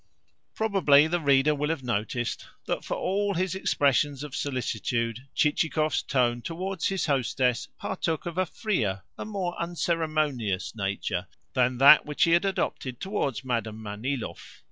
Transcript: Probably the reader will have noticed that, for all his expressions of solicitude, Chichikov's tone towards his hostess partook of a freer, a more unceremonious, nature than that which he had adopted towards Madam Manilov.